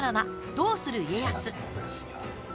「どうする家康」。